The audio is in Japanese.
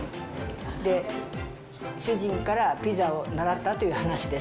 で、主人からピザを習ったという話です。